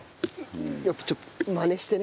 やっぱちょっとマネしてね。